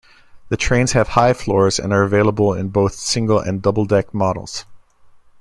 The trains have high floors, and are available in both single- and double-deck models.